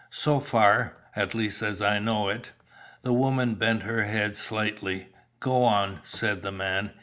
So far, at least, as I know it." The woman bent her head slightly. "Go on," said the man.